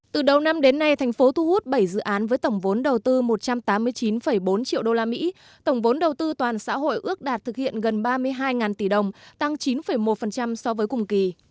từ đầu năm đến nay thành phố thu hút bảy dự án với tổng vốn đầu tư một trăm tám mươi chín bốn triệu usd tổng vốn đầu tư toàn xã hội ước đạt thực hiện gần ba mươi hai tỷ đồng tăng chín một so với cùng kỳ